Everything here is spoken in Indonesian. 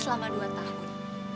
selama dua tahun